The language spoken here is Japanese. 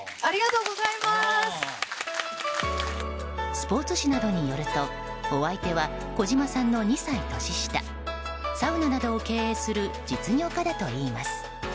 スポーツ紙などによるとお相手は小島さんの２歳年下サウナなどを経営する実業家だといいます。